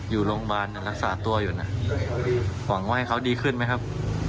อยู่โรงพยาบาลรักษาตัวอยู่นะหวังว่าให้เขาดีขึ้นไหมครับ